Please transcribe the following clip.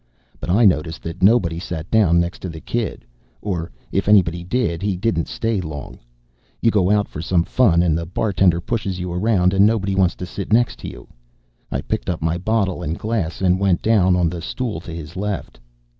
But I noticed that nobody sat down next to the kid, or, if anybody did, he didn't stay long you go out for some fun and the bartender pushes you around and nobody wants to sit next to you. I picked up my bottle and glass and went down on the stool to his left.